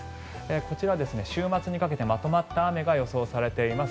こちらは週末にかけてまとまった雨が予想されています。